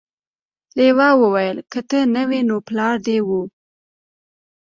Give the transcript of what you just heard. لیوه وویل که ته نه وې نو پلار دې و.